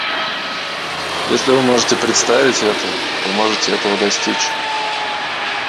Если вы можете представить это, вы можете этого достичь.